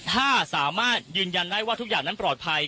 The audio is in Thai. ถ้าสามารถยืนยันได้ว่าทุกอย่างนั้นปลอดภัย